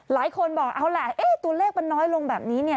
หลายคนบอกเอาแหละเอ๊ะตัวเลขมันน้อยลงแบบนี้เนี่ย